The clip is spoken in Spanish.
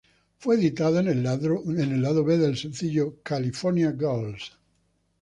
Fue editada en el lado B del sencillo "California Girls".